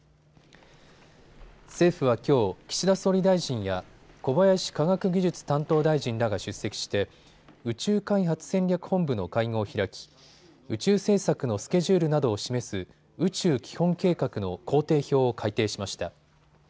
政府はきょう、岸田総理大臣や小林科学技術担当大臣らが出席して宇宙開発戦略本部の会合を開き、宇宙政策のスケジュールなどを示す宇宙基本計画の工程表を改訂しました。